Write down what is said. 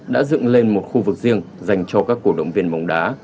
đã dựng lên một khu vực riêng dành cho các cổ động viên bóng đá